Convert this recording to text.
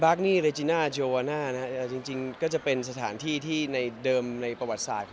นี่เรจิน่าโจวาน่าจริงก็จะเป็นสถานที่ที่ในเดิมในประวัติศาสตร์